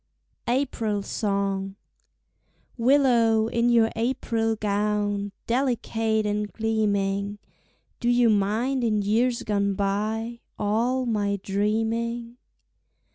April Song Willow, in your April gown Delicate and gleaming, Do you mind in years gone by All my dreaming?